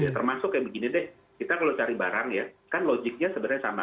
termasuk kayak begini deh kita kalau cari barang ya kan logiknya sebenarnya sama